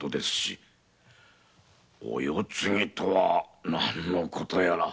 お世継ぎとは何の事やら。